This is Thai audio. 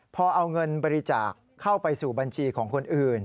พอเอาเงินบริจาคเข้าไปสู่บัญชีของคนอื่น